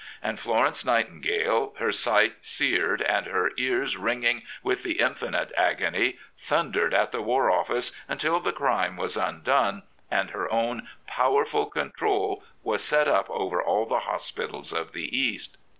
And Florence Nightingale, her sight seared and her ears ringing with the infinite agony, thundered at the War Office until the crime was un done and her own powerful control was set up over all the hospitals of the East.